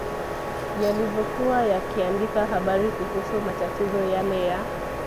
yalivyokuwa yakiandika habari kuhusu matatizo yale ya